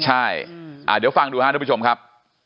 ใช่เดี๋ยวฟังดูครับทุกผู้ชมครับ